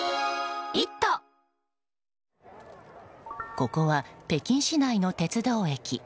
ここは北京市内の鉄道駅。